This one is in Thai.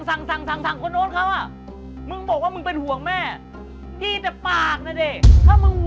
เสร็จแล้วมึงก็เข้ามาสั่ง